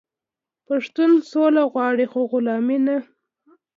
پښتون سوله غواړي خو غلامي نه.